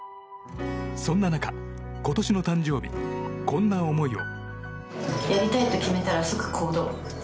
そんな中、今年の誕生日こんな思いを。